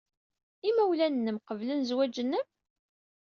Imawlan-nnem qeblen zzwaj-nnem?